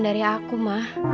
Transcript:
dari aku mah